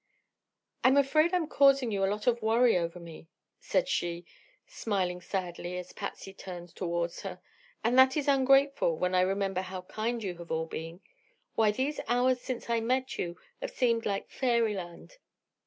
"I'm afraid I'm causing you a lot of worry over me," said she, smiling sadly as Patsy turned toward her; "and that is ungrateful when I remember how kind you have all been. Why, these hours since I met you have seemed like fairyland.